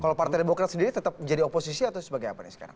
kalau partai demokrat sendiri tetap menjadi oposisi atau sebagai apa nih sekarang